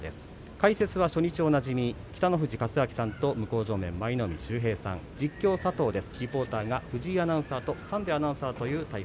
解説は初日おなじみ北の富士勝昭さんと向正面、舞の海秀平さんです。